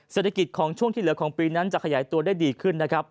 เศรษฐกิจของช่วงที่เหลือของปีนั้นจะขยายตัวได้ดีขึ้นนะครับ